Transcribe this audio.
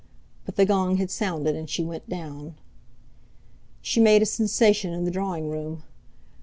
But the gong had sounded, and she went down. She made a sensation in the drawing room.